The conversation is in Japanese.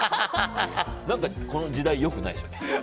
何か、この時代良くないですよね。